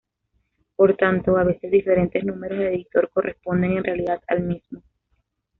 Por tanto, a veces diferentes números de editor corresponden en realidad al mismo.